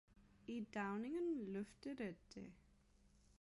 i dagningen luftede det.